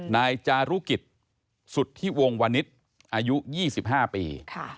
นายจารุกิจสุดที่วงวณิตอายุ๒๕ปี